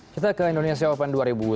kita ke indonesia open dua ribu sembilan belas